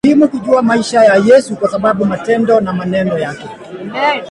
Ni muhimu kujua maisha ya Yesu kwa sababu matendo na maneno yake